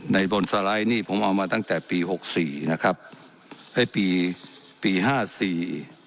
บนสไลด์นี่ผมเอามาตั้งแต่ปีหกสี่นะครับให้ปีปีห้าสี่